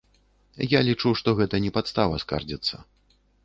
Я лічу, што гэта не падстава скардзіцца.